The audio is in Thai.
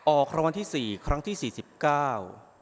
ออกรางวัลที่สี่ครั้งที่สี่สิบเก้า